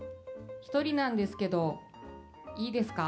１人なんですけどいいですか？